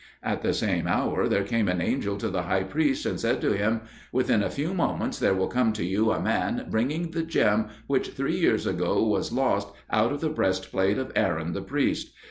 At the same hour there came an angel to the High Priest, and said to him, "Within a few moments there will come to you a man bringing the gem which three years ago was lost out of the breastplate of Aaron the priest.